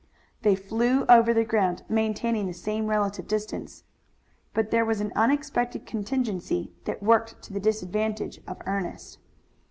They flew over the ground, maintaining the same relative distance. But there was an unexpected contingency that worked to the disadvantage of Ernest.